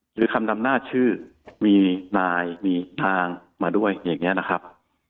หรือคำดำหน้าชื่อมีนายมีทางมาด้วยอย่างนี้นะครับ